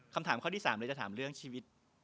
คำถามข้อที่๓เลยจะถามเรื่องชีวิต